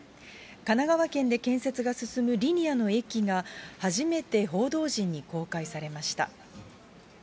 神奈川県で建設が進むリニアの駅が、初めて報道陣に公開されました。